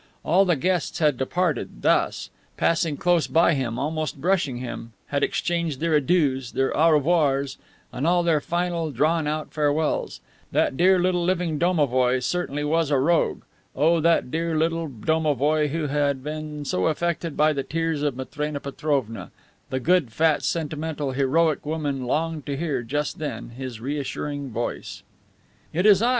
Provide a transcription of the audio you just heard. All the guests had departed thus, passing close by him, almost brushing him, had exchanged their "Adieus," their "Au revoirs," and all their final, drawn out farewells. That dear little living domovoi certainly was a rogue! Oh, that dear little domovoi who had been so affected by the tears of Matrena Petrovna! The good, fat, sentimental, heroic woman longed to hear, just then, his reassuring voice. "It is I.